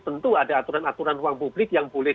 tentu ada aturan aturan ruang publik yang boleh